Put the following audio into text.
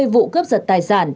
hai mươi vụ cấp giật tài sản